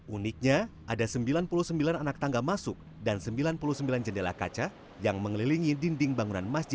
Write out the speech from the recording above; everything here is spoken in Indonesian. uniknya ada sembilan puluh sembilan anak tangga masuk dan sembilan puluh sembilan jendela kaca yang mengelilingi dinding bangunan masjid